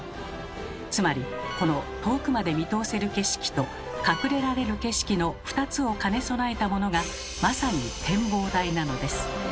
つまりこの遠くまで見通せる景色と隠れられる景色の２つを兼ね備えたものがまさに展望台なのです。